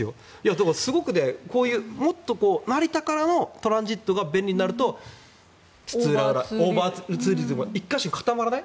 すごくもっと成田からのトランジットが便利になると津々浦々オーバーツーリズムが１か所に固まらない。